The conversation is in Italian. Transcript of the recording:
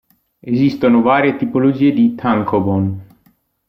Esistono varie tipologie di tankōbon.